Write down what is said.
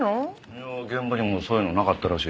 いや現場にもそういうのはなかったらしい。